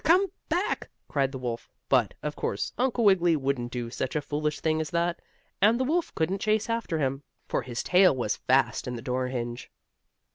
Come back!" cried the wolf, but, of course, Uncle Wiggily wouldn't do such a foolish thing as that, and the wolf couldn't chase after him, for his tail was fast in the door hinge.